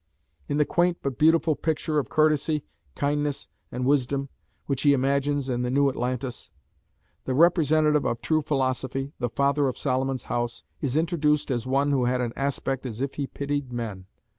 In the quaint but beautiful picture of courtesy, kindness, and wisdom, which he imagines in the New Atlantis, the representative of true philosophy, the "Father of Solomon's House," is introduced as one who "had an aspect as if he pitied men."